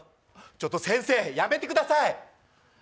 ちょっと先生、やめてください。